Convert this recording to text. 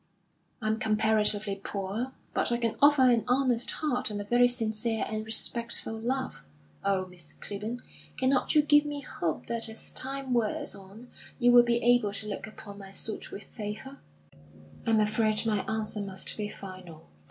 I am comparatively poor; but I can offer an honest heart and a very sincere and respectful love. Oh, Miss Clibborn, cannot you give me hope that as time wears on you will be able to look upon my suit with favour?" "I'm afraid my answer must be final."